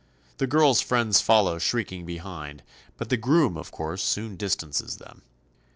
The girl's friends follow shrieking behind, but the groom of course soon distances them.